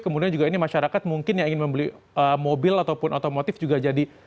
kemudian juga ini masyarakat mungkin yang ingin membeli mobil ataupun otomotif juga jadi